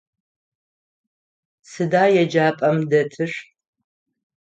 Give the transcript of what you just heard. Сыда еджапӏэм дэтыр?